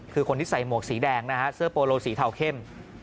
คือคนที่ใส่หมวกสีแดงนะฮะเสื้อโปโลสีเทาเข้ม